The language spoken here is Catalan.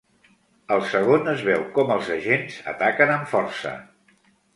Al segon es veu com els agents ataquen amb força.